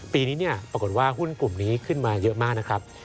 ปีนี้ปรากฏว่าหุ้นกลุ่มนี้ขึ้นมาเยอะมากนะครับ